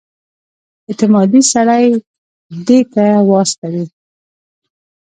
اعتمادي سړی دې ده ته واستوي.